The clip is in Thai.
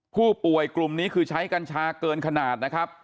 ผู้ป่วยกลุ่มนี้คือใช้กัญชาเกินขนาดนะครับ